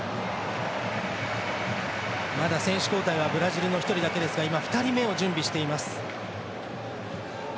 まだ選手交代はブラジルの１人だけですが２人目を準備しています。